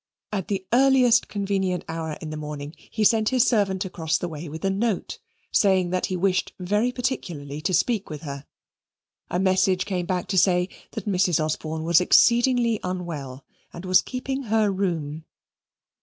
At the earliest convenient hour in the morning he sent his servant across the way with a note, saying that he wished very particularly to speak with her. A message came back to say that Mrs. Osborne was exceedingly unwell and was keeping her room.